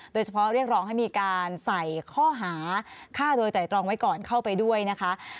โดยเฉพาะเรียกร้องให้มีการใส่ข้อหาฆ่าโดยไตรตรองไว้ก่อนเข้าไปด้วยนะคะ